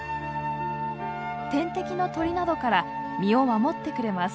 天敵の鳥などから身を守ってくれます。